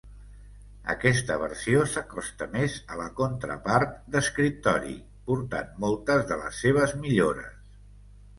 Aquesta versió s'acosta més a la contrapart d'escriptori, portant moltes de les seves millores.